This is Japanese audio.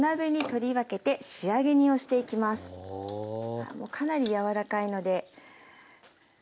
ああもうかなり柔らかいので。